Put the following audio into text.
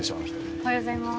おはようございます。